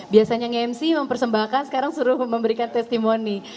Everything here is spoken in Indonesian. biasanya nge mc mempersembahkan sekarang suruh memberikan testimoni